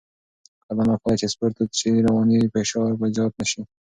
کله نا کله چې سپورت دود شي، رواني فشار به زیات نه شي.